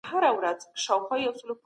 د تاریخ تحریف لویه ګناه ده.